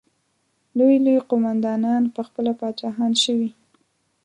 لوی لوی قوماندانان پخپله پاچاهان شوي.